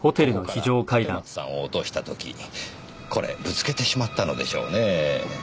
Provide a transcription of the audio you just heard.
ここから立松さんを落とした時これぶつけてしまったのでしょうね。